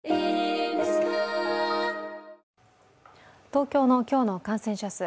東京の今日の感染者数